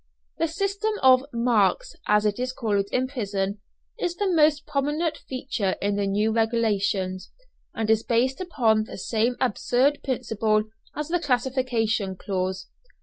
The system of "marks," as it is called in prison, is the most prominent feature in the new regulations, and is based upon the same absurd principle as the classification clause.